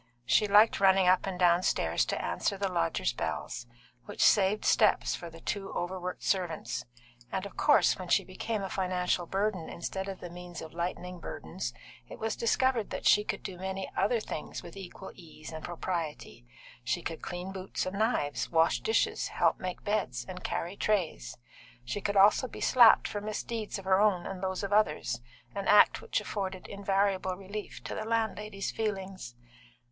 She liked running up and downstairs to answer the lodgers' bells, which saved steps for the two overworked servants; and, of course, when she became a financial burden instead of the means of lightening burdens, it was discovered that she could do many other things with equal ease and propriety. She could clean boots and knives, wash dishes, help make beds, and carry trays; she could also be slapped for misdeeds of her own and those of others, an act which afforded invariable relief to the landlady's feelings.